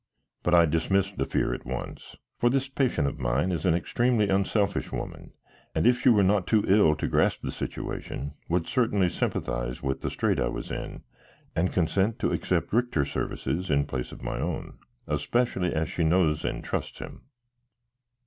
But I dismissed the fear at once, for this patient of mine is an extremely unselfish woman, and if she were not too ill to grasp the situation, would certainly sympathize with the strait I was in and consent to accept Richter's services in place of my own, especially as she knows and trusts him.